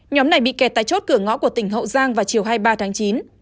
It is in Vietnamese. nhóm này bị kẹt tại chốt cửa ngõ của tỉnh hậu giang vào chiều hai mươi ba tháng chín